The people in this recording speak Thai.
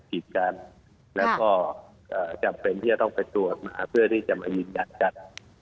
ผิดการแล้วก็เอ่อจำเป็นที่จะต้องไปตรวจนะครับเพื่อที่จะมายืนยัดจัด